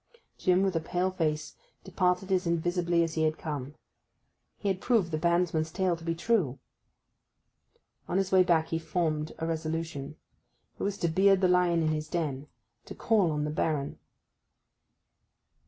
Jim, with a pale face, departed as invisibly as he had come. He had proved the bandsman's tale to be true. On his way back he formed a resolution. It was to beard the lion in his den—to call on the Baron.